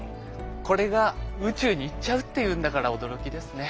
これが宇宙に行っちゃうっていうんだから驚きですね。